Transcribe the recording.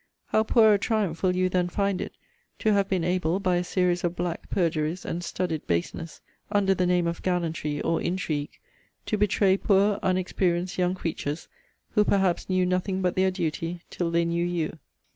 How poor a triumph will you then find it, to have been able, by a series of black perjuries, and studied baseness, under the name of gallantry or intrigue, to betray poor unexperienced young creatures, who perhaps knew nothing but their duty till they knew you!